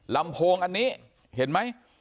ลำโพงอันนี้เห็นไหม